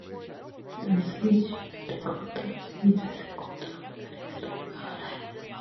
The three shared quarters with Secord for the rest of her life.